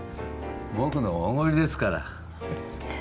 僕のおごりですから。